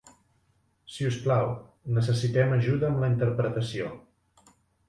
Si us plau, necessitem ajuda amb la interpretació.